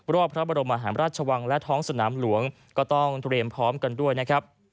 รอบพระบรมหาราชวังและท้องสนามหลวงก็ต้องเตรียมพร้อมกันด้วยนะครับ